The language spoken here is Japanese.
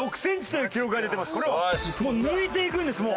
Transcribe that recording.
これをもう抜いていくんです。